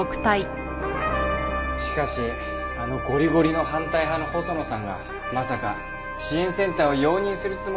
しかしあのゴリゴリの反対派の細野さんがまさか支援センターを容認するつもりになっていたとは。